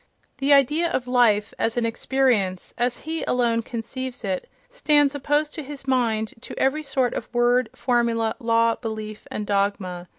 The idea of "life" as an experience, as he alone conceives it, stands opposed to his mind to every sort of word, formula, law, belief and dogma.